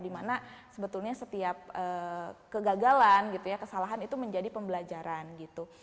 dimana sebetulnya setiap kegagalan gitu ya kesalahan itu menjadi pembelajaran gitu